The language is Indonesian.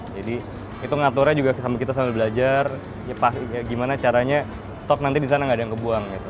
jadi itu ngaturnya juga kita sambil belajar gimana caranya stok nanti di sana nggak ada yang kebuang gitu